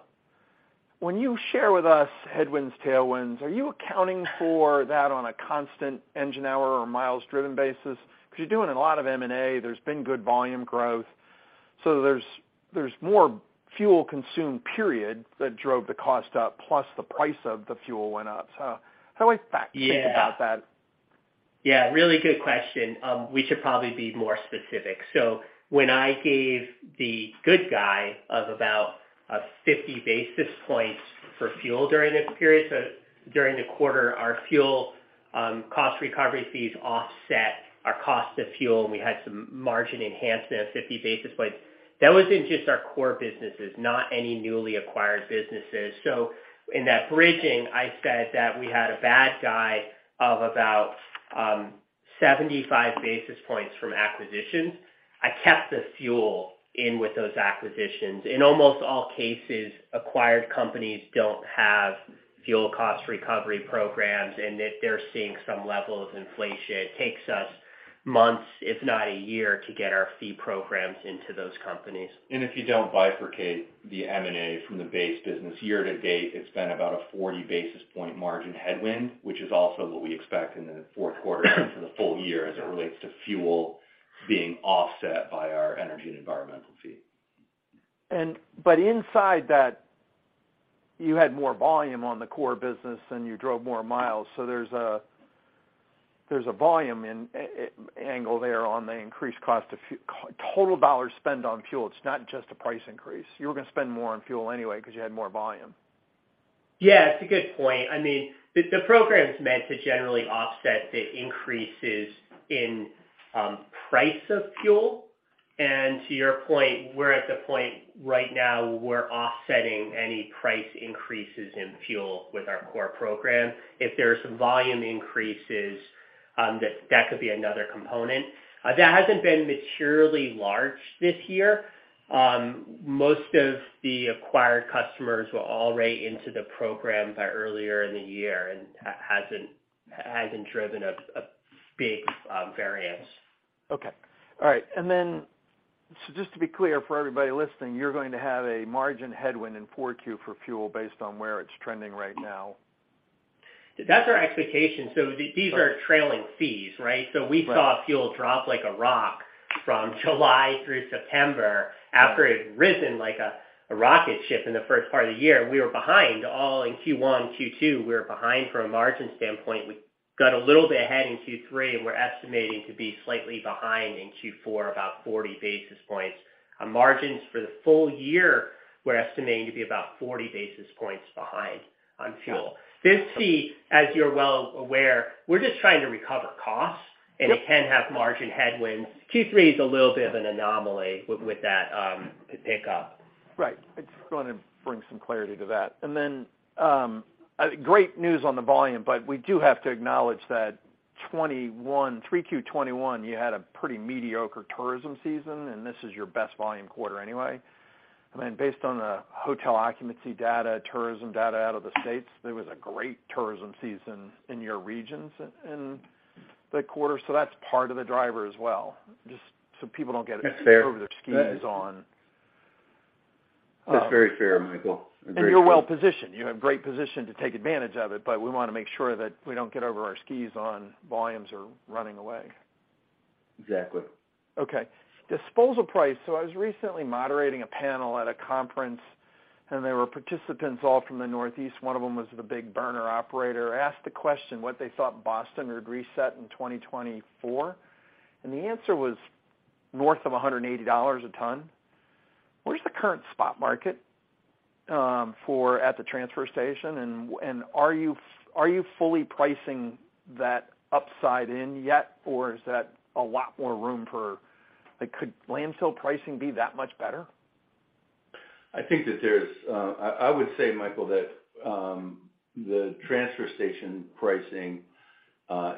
when you share with us headwinds, tailwinds, are you accounting for that on a constant engine hour or miles driven basis? Because you're doing a lot of M&A, there's been good volume growth. There's more fuel consumed period that drove the cost up, plus the price of the fuel went up. How do I think about that? Yeah. Yeah, really good question. We should probably be more specific. When I gave the good guy of about 50 basis points for fuel during this period, during the quarter, our fuel cost recovery fees offset our cost of fuel, and we had some margin enhancement of 50 basis points. That was in just our core businesses, not any newly acquired businesses. In that bridging, I said that we had a bad guy of about 75 basis points from acquisitions. I kept the fuel in with those acquisitions. In almost all cases, acquired companies don't have fuel cost recovery programs, and if they're seeing some level of inflation, it takes us months, if not a year, to get our fee programs into those companies. If you don't bifurcate the M&A from the base business, year to date, it's been about a 40 basis point margin headwind, which is also what we expect in the fourth quarter and for the full year as it relates to fuel being offset by our energy and environmental fee. Inside that, you had more volume on the core business and you drove more miles. There's a volume angle there on the increased cost of fuel. Total dollar spend on fuel, it's not just a price increase. You were gonna spend more on fuel anyway because you had more volume. Yeah, it's a good point. I mean, the program is meant to generally offset the increases in price of fuel. To your point, we're at the point right now where we're offsetting any price increases in fuel with our core program. If there are some volume increases, that could be another component. That hasn't been materially large this year. Most of the acquired customers were already into the program by earlier in the year and hasn't driven a big variance. Okay. All right. Just to be clear for everybody listening, you're going to have a margin headwind in Q4 for fuel based on where it's trending right now. That's our expectation. These are trailing fees, right? Right. We saw fuel drop like a rock from July through September after it had risen like a rocket ship in the first part of the year. We were behind all in Q1, Q2, we were behind from a margin standpoint. We got a little bit ahead in Q3, and we're estimating to be slightly behind in Q4, about 40 basis points. On margins for the full year, we're estimating to be about 40 basis points behind on fuel. This fee, as you're well aware, we're just trying to recover costs. Yep. It can have margin headwinds. Q3 is a little bit of an anomaly with that pickup. Right. I just want to bring some clarity to that. Great news on the volume, but we do have to acknowledge that 2021, Q3 2021, you had a pretty mediocre tourism season, and this is your best volume quarter anyway. I mean, based on the hotel occupancy data, tourism data out of the states, there was a great tourism season in your regions in the quarter. That's part of the driver as well, just so people don't get. That's fair. Over their skis on. That's very fair, Michael. You're well-positioned. You have great position to take advantage of it, but we wanna make sure that we don't get over our skis on volumes or running away. Exactly. Okay. Disposal price. I was recently moderating a panel at a conference, and there were participants all from the Northeast. One of them was the big burner operator. Asked the question what they thought Boston would reset in 2024, and the answer was north of $180 a ton. Where's the current spot market for the transfer station and are you fully pricing that upside in yet, or is there a lot more room for like, could landfill pricing be that much better? I would say, Michael, that the transfer station pricing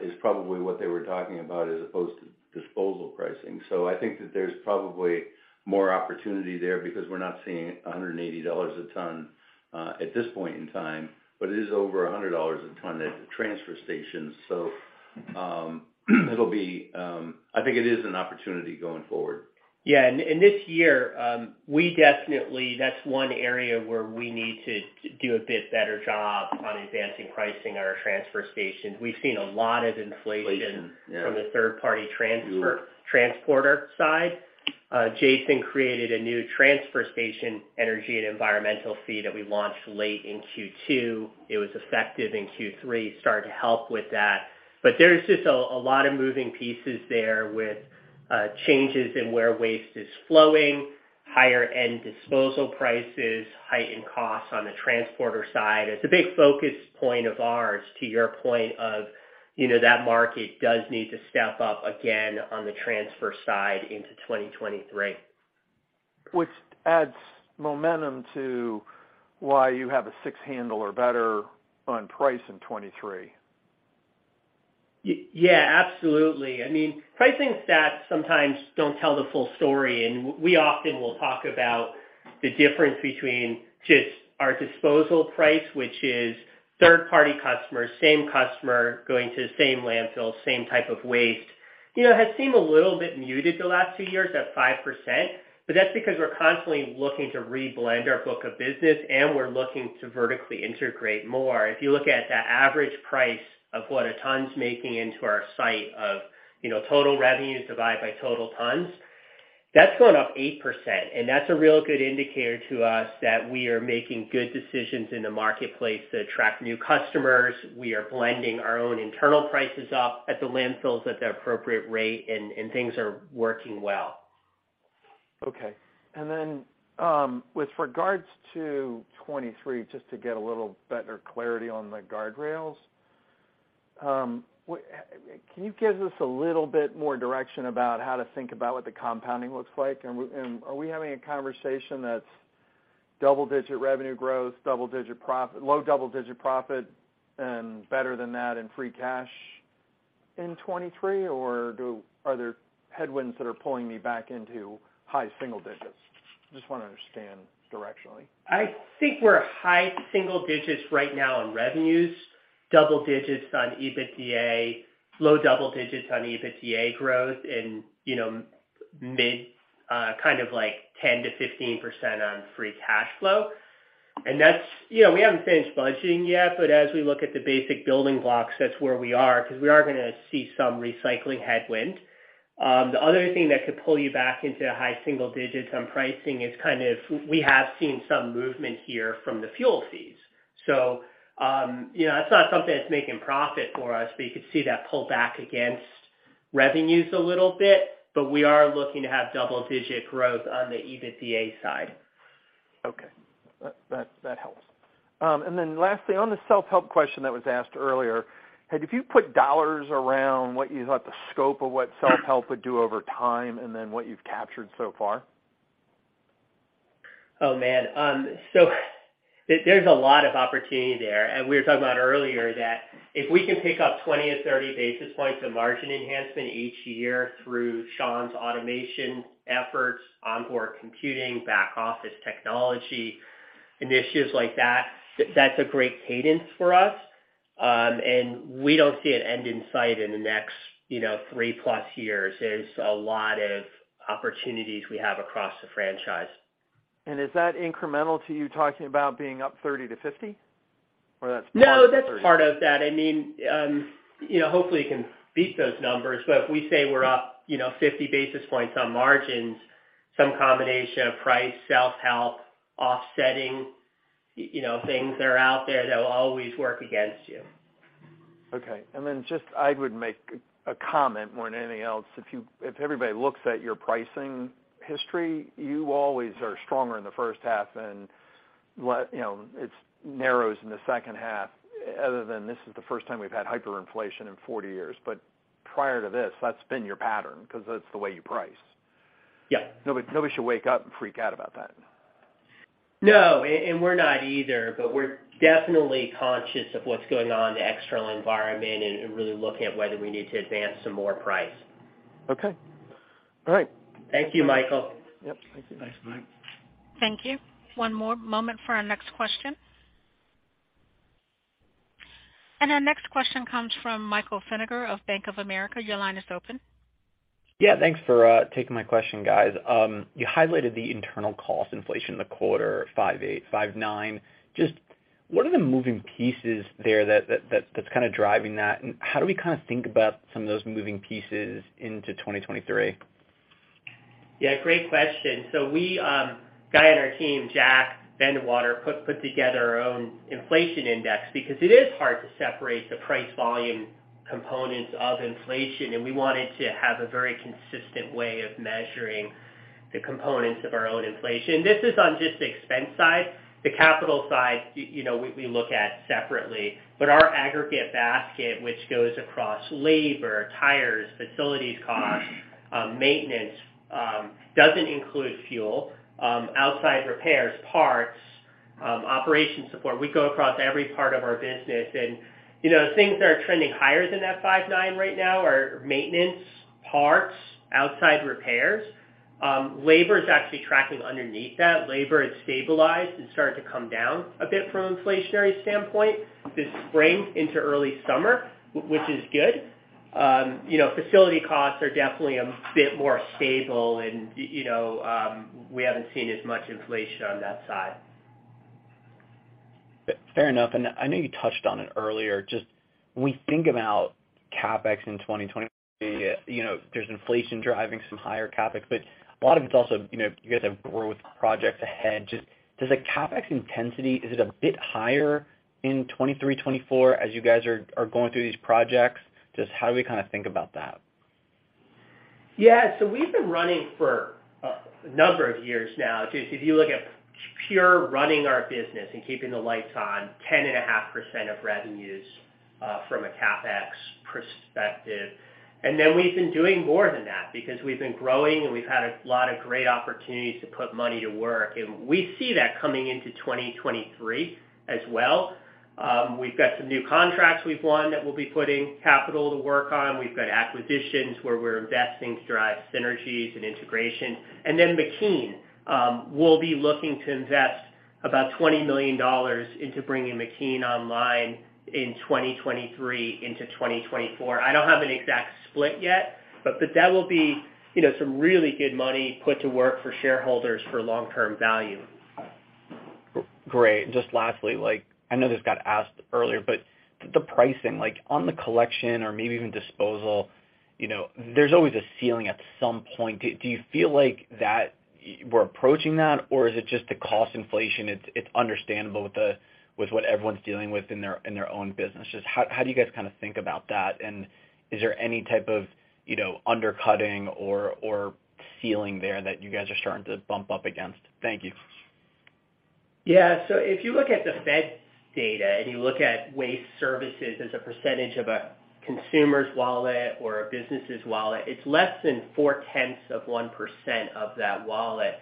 is probably what they were talking about as opposed to disposal pricing. I think that there's probably more opportunity there because we're not seeing $180 a ton at this point in time, but it is over $100 a ton at the transfer station. It'll be I think it is an opportunity going forward. Yeah. This year, we definitely. That's one area where we need to do a bit better job on advancing pricing on our transfer station. We've seen a lot of inflation- Inflation, yeah. From the third-party transfer True Transporter side. Jason created a new transfer station energy and environmental fee that we launched late in Q2. It was effective in Q3, started to help with that. But there's just a lot of moving pieces there with changes in where waste is flowing, higher-end disposal prices, heightened costs on the transporter side. It's a big focus point of ours, to your point of, you know, that market does need to step up again on the transfer side into 2023. Which adds momentum to why you have a six handle or better on price in 2023. Yeah, absolutely. I mean, pricing stats sometimes don't tell the full story, and we often will talk about the difference between just our disposal price, which is third-party customers, same customer going to the same landfill, same type of waste. You know, it has seemed a little bit muted the last two years at 5%, but that's because we're constantly looking to reblend our book of business, and we're looking to vertically integrate more. If you look at the average price of what a ton's making into our site of, you know, total revenues divided by total tons, that's going up 8%, and that's a real good indicator to us that we are making good decisions in the marketplace to attract new customers. We are blending our own internal prices up at the landfills at the appropriate rate, and things are working well. Okay. With regards to 2023, just to get a little better clarity on the guardrails, can you give us a little bit more direction about how to think about what the compounding looks like? Are we having a conversation that's double-digit revenue growth, double-digit profit, low double-digit profit and better than that in free cash in 2023, or are there headwinds that are pulling me back into high single digits? Just wanna understand directionally. I think we're high single digits right now on revenues, double digits on EBITDA, low double digits on EBITDA growth and, you know, mid, kind of like 10%-15% on free cash flow. You know, we haven't finished budgeting yet, but as we look at the basic building blocks, that's where we are, 'cause we are gonna see some recycling headwind. The other thing that could pull you back into high single digits on pricing is kind of we have seen some movement here from the fuel fees. You know, that's not something that's making profit for us, but you could see that pull back against revenues a little bit. We are looking to have double-digit growth on the EBITDA side. Okay. That helps. Then lastly, on the self-help question that was asked earlier, had you put dollars around what you thought the scope of what self-help would do over time and then what you've captured so far? Oh, man. There's a lot of opportunity there. We were talking about earlier that if we can pick up 20-30 basis points of margin enhancement each year through Sean's automation efforts, onboard computing, back office technology, initiatives like that's a great cadence for us. We don't see an end in sight in the next, you know, 3+ years. There's a lot of opportunities we have across the franchise. Is that incremental to you talking about being up 30-50, or that's part of 30? No, that's part of that. I mean, you know, hopefully, you can beat those numbers, but if we say we're up, you know, 50 basis points on margins, some combination of price, self-help, offsetting, you know, things that are out there that will always work against you. Okay. Just I would make a comment more than anything else. If everybody looks at your pricing history, you always are stronger in the first half, and you know, it narrows in the second half, other than this is the first time we've had hyperinflation in 40 years. Prior to this, that's been your pattern 'cause that's the way you price. Yeah. Nobody should wake up and freak out about that. No. We're not either, but we're definitely conscious of what's going on in the external environment and really looking at whether we need to advance some more price. Okay. All right. Thank you, Michael. Yep. Thank you. Thanks, Mike. Thank you. One more moment for our next question. Our next question comes from Michael Feniger of Bank of America. Your line is open. Yeah, thanks for taking my question, guys. You highlighted the internal cost inflation in the quarter, 5.8%-5.9%. Just what are the moving pieces there that's kinda driving that? How do we kinda think about some of those moving pieces into 2023? Yeah, great question. A guy on our team, Jack Van de Water, put together our own inflation index because it is hard to separate the price volume components of inflation, and we wanted to have a very consistent way of measuring the components of our own inflation. This is on just the expense side. The capital side, you know, we look at separately. Our aggregate basket, which goes across labor, tires, facilities costs, maintenance, doesn't include fuel, outside repairs, parts, operation support. We go across every part of our business. You know, things that are trending higher than that 5.9% right now are maintenance, parts, outside repairs. Labor is actually tracking underneath that. Labor has stabilized and started to come down a bit from an inflationary standpoint this spring into early summer, which is good. You know, facility costs are definitely a bit more stable and, you know, we haven't seen as much inflation on that side. Fair enough. I know you touched on it earlier, just when we think about CapEx in 2023, you know, there's inflation driving some higher CapEx, but a lot of it's also, you know, you guys have growth projects ahead. Just does the CapEx intensity, is it a bit higher in 2023, 2024 as you guys are going through these projects? Just how do we kinda think about that? Yeah. We've been running for a number of years now. Just if you look at pure running our business and keeping the lights on 10.5% of revenues, from a CapEx perspective. We've been doing more than that because we've been growing and we've had a lot of great opportunities to put money to work. We see that coming into 2023 as well. We've got some new contracts we've won that we'll be putting capital to work on. We've got acquisitions where we're investing to drive synergies and integration. McKean, we'll be looking to invest about $20 million into bringing McKean online in 2023 into 2024. I don't have an exact split yet, but that will be, you know, some really good money put to work for shareholders for long-term value. Great. Just lastly, like, I know this got asked earlier, but the pricing, like on the collection or maybe even disposal, you know, there's always a ceiling at some point. Do you feel like that we're approaching that, or is it just the cost inflation, it's understandable with what everyone's dealing with in their own business? Just how do you guys kinda think about that? Is there any type of, you know, undercutting or ceiling there that you guys are starting to bump up against? Thank you. Yeah. If you look at the Fed data and you look at waste services as a percentage of a consumer's wallet or a business's wallet, it's less than 0.4% of that wallet.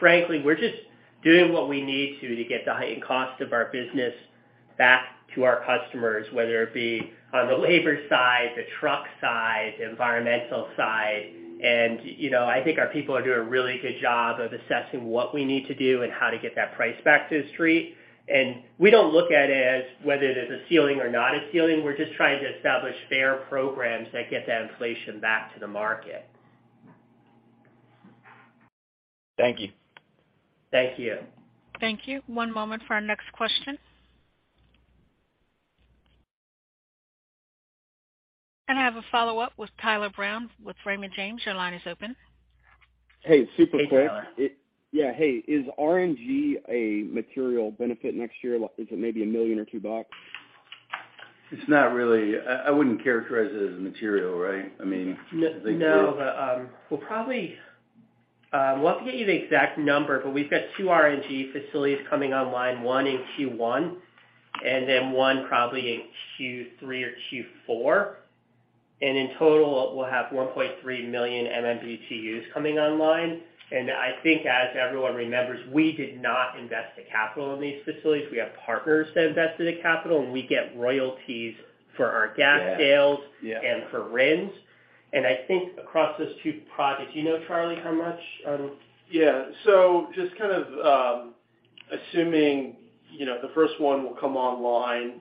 Frankly, we're just doing what we need to to get the heightened cost of our business back to our customers, whether it be on the labor side, the truck side, the environmental side. You know, I think our people are doing a really good job of assessing what we need to do and how to get that price back to the street. We don't look at it as whether there's a ceiling or not a ceiling. We're just trying to establish fair programs that get that inflation back to the market. Thank you. Thank you. Thank you. One moment for our next question. I have a follow-up with Tyler Brown with Raymond James. Your line is open. Hey, super quick. Hey, Tyler. Yeah. Hey, is RNG a material benefit next year? Is it maybe $1 million or $2 million? It's not really. I wouldn't characterize it as a material, right? I mean, I think- No, but we'll have to get you the exact number, but we've got two RNG facilities coming online, one in Q1 and then one probably in Q3 or Q4. In total, we'll have 1.3 million MMBtu coming online. I think as everyone remembers, we did not invest the capital in these facilities. We have partners that invested the capital, and we get royalties for our gas sales. Yeah. For RINs. I think across those two projects. Do you know, Charlie, how much? Yeah. Just kind of assuming, you know, the first one will come online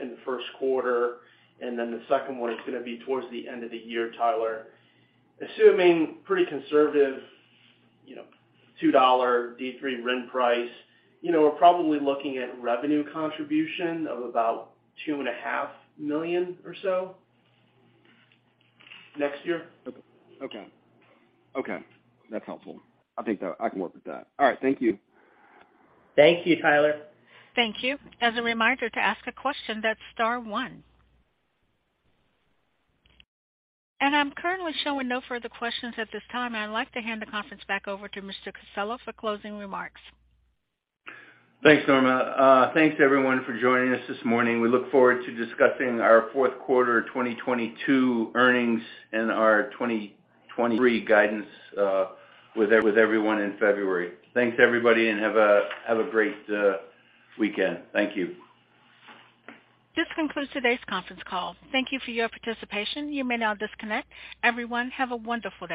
in the first quarter, and then the second one is gonna be towards the end of the year, Tyler. Assuming pretty conservative, you know, $2 D3 RIN price, you know, we're probably looking at revenue contribution of about $2.5 million or so next year. Okay. Okay. That's helpful. I think that I can work with that. All right. Thank you. Thank you, Tyler. Thank you. As a reminder, to ask a question, that's star one. I'm currently showing no further questions at this time, and I'd like to hand the conference back over to Mr. Casella for closing remarks. Thanks, Norma. Thanks everyone for joining us this morning. We look forward to discussing our fourth quarter 2022 earnings and our 2023 guidance with everyone in February. Thanks, everybody, and have a great weekend. Thank you. This concludes today's conference call. Thank you for your participation. You may now disconnect. Everyone, have a wonderful day.